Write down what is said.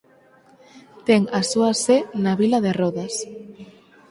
Ten a súa sé na vila de Rodas.